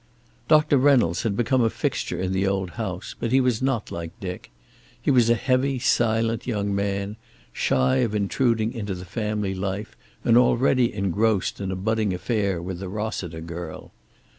Doctor Reynolds had become a fixture in the old house, but he was not like Dick. He was a heavy, silent young man, shy of intruding into the family life and already engrossed in a budding affair with the Rossiter girl.